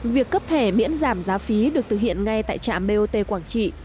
việc cấp thẻ miễn giảm giá phí được thực hiện ngay tại trạm bot quảng trị